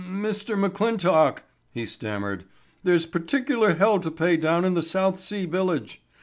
"Mr. McClintock," he stammered, "there's particular hell to pay down in the South Sea village.